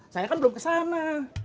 saya kan belum kesana